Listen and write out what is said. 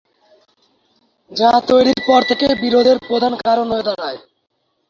যা তৈরীর পর থেকে বিরোধের প্রধান কারণ হয়ে দাঁড়ায়।